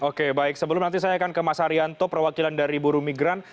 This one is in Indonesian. oke baik sebelum nanti saya akan ke mas haryanto perwakilan dari buru migran